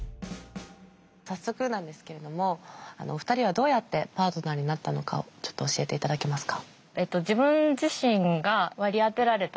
早速なんですけれどもお二人はどうやってパートナーになったのかをちょっと教えていただけますか？